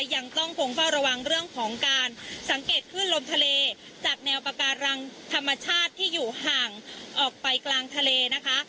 ยังต้องคงเฝ้าระวังเรื่องของการสังเกตขึ้นลมทะเลจากแนวปาการังธรรมชาติที่อยู่ห่างออกไปกลางทะเลนะคะ